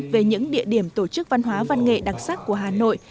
về những địa điểm tổ chức văn hóa văn nghệ đặc sắc của hà nội